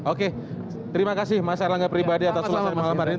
oke terima kasih mas erlangga pribadi atas ulasan malam hari ini